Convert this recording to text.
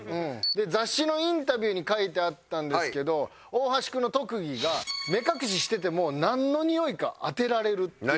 雑誌のインタビューに書いてあったんですけど大橋君の特技が目隠ししててもなんの匂いか当てられるっていう。